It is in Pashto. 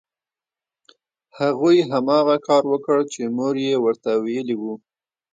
هغوی هماغه کار وکړ چې مور یې ورته ویلي وو